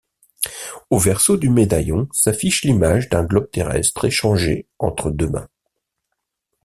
Au verso du médaillon s'affiche l'image d'un globe terrestre échangé entre deux mains.